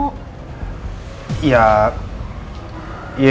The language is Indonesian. tidak bukan ya kamu